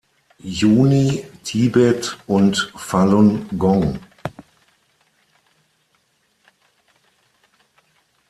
Juni“, „Tibet“ und „Falun Gong“.